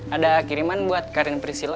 ada kiriman buat karin priscil